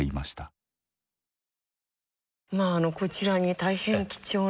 まあこちらに大変貴重な。